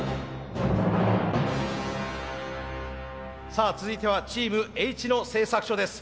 さあ続いてはチームＨ野製作所です。